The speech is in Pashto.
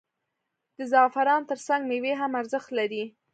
د زعفرانو ترڅنګ میوې هم ارزښت لري.